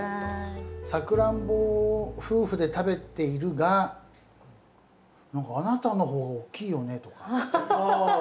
さくらんぼを夫婦で食べているが「何かあなたの方が大きいよね？」とか。